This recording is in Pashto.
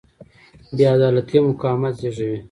بې عدالتي مقاومت زېږوي